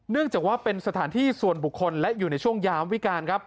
จากว่าเป็นสถานที่ส่วนบุคคลและอยู่ในช่วงยามวิการครับ